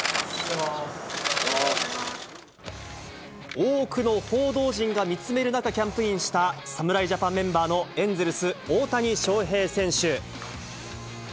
多くの報道陣が見つめる中、キャンプインした侍ジャパンメンバーのエンゼルス、大谷翔平選手。